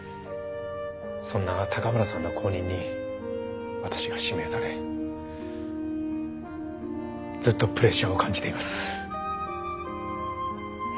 そんな高村さんの後任に私が指名されずっとプレッシャーを感じています。